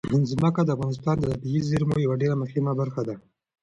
ځمکه د افغانستان د طبیعي زیرمو یوه ډېره مهمه برخه ده.